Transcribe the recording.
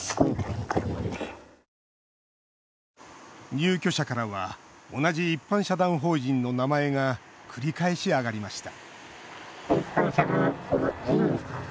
入居者からは同じ一般社団法人の名前が繰り返し挙がりました